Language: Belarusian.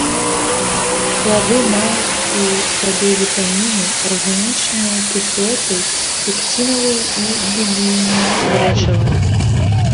Плады маюць у сабе вітаміны, арганічныя кіслоты, пекцінавыя і дубільныя рэчывы.